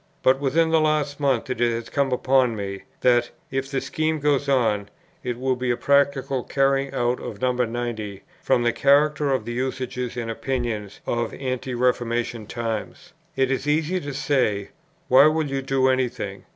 "But, within the last month, it has come upon me, that, if the scheme goes on, it will be a practical carrying out of No. 90, from the character of the usages and opinions of ante reformation times. "It is easy to say, 'Why will you do any thing?